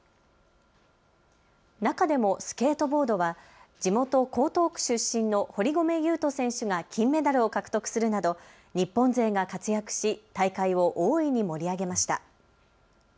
中でもスケートボードは地元、江東区出身の堀米雄斗選手が金メダルを獲得するなど日本勢が活躍し大会を大いに盛り上げました。